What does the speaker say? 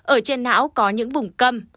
ở trên não có những vùng cầm